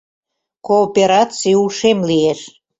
КООПЕРАЦИЙ УШЕМ ЛИЕШ